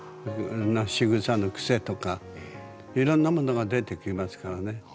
しぐさの癖とかいろんなものが出てきますからね。